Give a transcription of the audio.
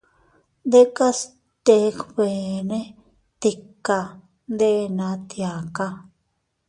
Dekas teg beene, tiaka, ndena tiaka.